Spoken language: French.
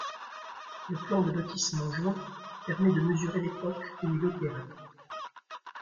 Le plan de lotissement joint permet de mesurer l'époque où il opérait.